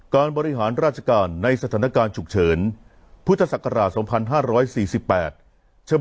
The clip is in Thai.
บริหารราชการในสถานการณ์ฉุกเฉินพุทธศักราช๒๕๔๘ฉบับ